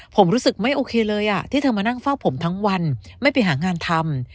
ผมรู้สึกไม่โอเคเลยที่เธอมานั่งเฝ้าผมทั้งวันไม่ไปหางานทำ